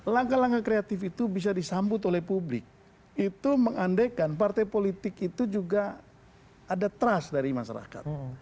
langkah langkah kreatif itu bisa disambut oleh publik itu mengandaikan partai politik itu juga ada trust dari masyarakat